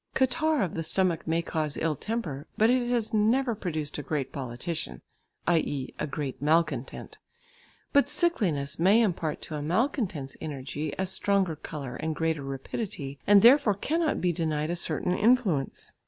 Catarrh of the stomach may cause ill temper, but it has never produced a great politician, i.e. a great malcontent. But sickliness may impart to a malcontent's energy a stronger colour and greater rapidity, and therefore cannot be denied a certain influence.